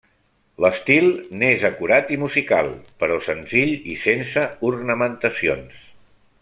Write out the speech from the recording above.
L'estil n'és acurat i musical, però senzill i sense ornamentacions.